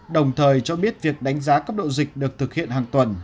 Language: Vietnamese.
đồng thời cho biết việc đánh giá cấp độ dịch được thực hiện hàng tuần